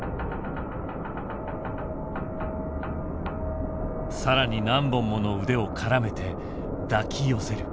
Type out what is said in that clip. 更に何本もの腕を絡めて抱き寄せる。